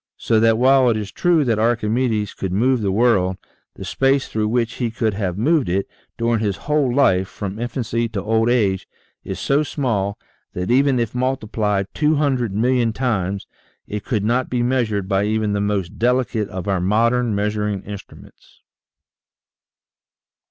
So that while it is true that Archimedes could move the world, the space through which he could have moved it, during his whole life, from infancy to old age, is so small that even if multiplied two hundred million times it could not be measured by even the most delicate of our modern measuring instruments.